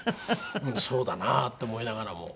うんそうだなって思いながらも。